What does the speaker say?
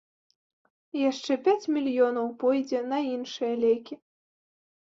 Яшчэ пяць мільёнаў пойдзе на іншыя лекі.